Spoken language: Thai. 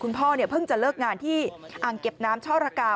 พ่อเพิ่งจะเลิกงานที่อ่างเก็บน้ำช่อระกา